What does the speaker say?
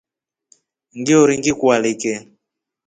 Ngiori ngikualike.